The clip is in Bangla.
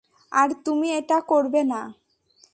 আর তুমি এটা করবে না।